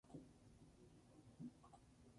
Al noroeste del distrito fluye el Bode.